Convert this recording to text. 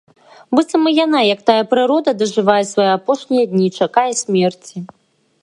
Быццам і яна, як тая прырода, дажывае свае апошнія дні, чакае смерці.